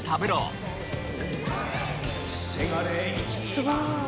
すごい。